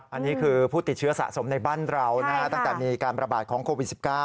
อันนี้คือผู้ติดเชื้อสะสมในบ้านเราตั้งแต่มีการประบาดของโควิด๑๙